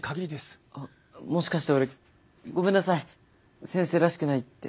あっもしかして俺ごめんなさい「先生らしくない」って。